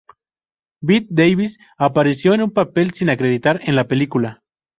Bette Davis apareció en un papel sin acreditar en la película.